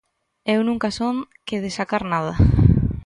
Eu nunca son que de sacar nada.